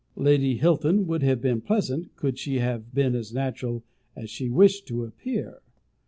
Lady Hilton would have been pleasant, could she have been as natural as she wished to appear.